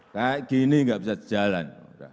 kayak gini nggak bisa jalan